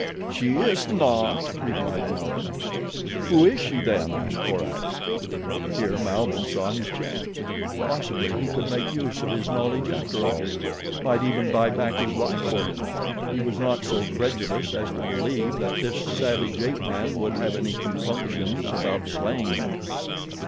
"She is not," replied Malbihn. "Who is she then?" asked Korak. Here Malbihn saw his chance. Possibly he could make use of his knowledge after all—it might even buy back his life for him. He was not so credulous as to believe that this savage ape man would have any compunctions about slaying him.